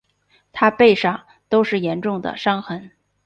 她背上都是严重的伤痕